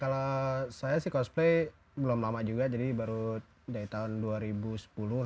kalau saya sih cosplay belum lama juga jadi baru dari tahun dua ribu sepuluh lah